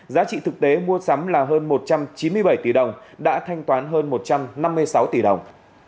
giá trị thực tế mua sắm là hơn một trăm chín mươi bảy tỷ đồng đã thanh toán hơn một trăm năm mươi sáu tỷ đồng